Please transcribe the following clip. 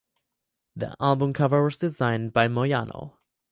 The album cover was designed by Moyano.